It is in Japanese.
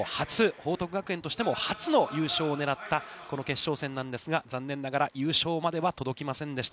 報徳学園としても初の優勝を狙ったこの決勝戦なんですが、残念ながら優勝までは届きませんでした。